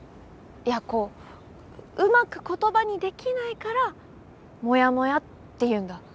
いやこううまく言葉にできないからもやもやって言うんだ。